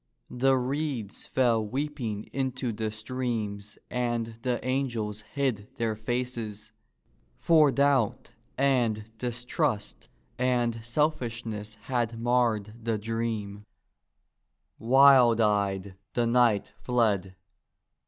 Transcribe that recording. The reeds fell weeping into the streams and the angels hid their faces, for doubt, and distrust, and selfishness had marred the dream. 90 THE KNIGHT AND THE DREAM Wild e 3 ^ed the knight fled.